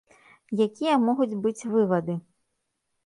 Якія могуць быць вывады?